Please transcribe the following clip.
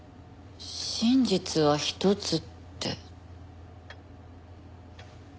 「真実は一つ」って。